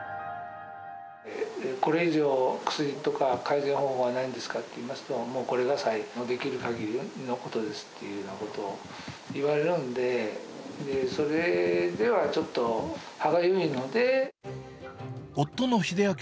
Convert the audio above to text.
これ以上、薬とか、改善方法はないんですかと言いますと、もうこれが最後の、できるかぎりのことですっていうようなことを言われるんで、それではちょっと歯がゆいので。